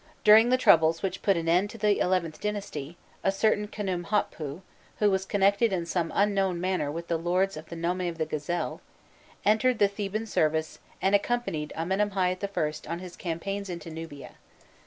During the troubles which put an end to the XIth dynasty, a certain Khnûmhotpû, who was connected in some unknown manner with the lords of the nome of the Gazelle, entered the Theban service and accompanied Amenemhâît I. on his campaigns into Nubia.